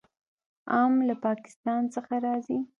ام له پاکستان څخه راځي.